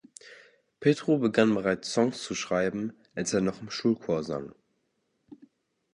Petru begann bereits Songs zu schreiben, als er noch im Schulchor sang.